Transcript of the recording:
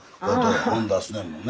本出すねんもんね。